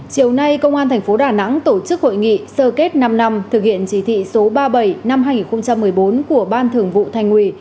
chiều nay công an thành phố đà nẵng tổ chức hội nghị sơ kết năm năm thực hiện chỉ thị số ba mươi bảy năm hai nghìn một mươi bốn của ban thường vụ thành ủy